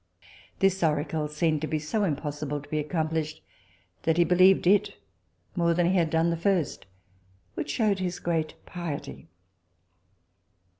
This oracle seemed so impossible to be accomplished, that he believed it more than he had done the first, which shewed his great piety.